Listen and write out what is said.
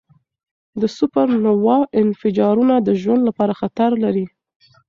د سوپرنووا انفجارونه د ژوند لپاره خطر لري.